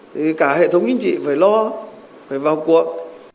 thì cả hệ thống chính trị phải lo phải vào cuộc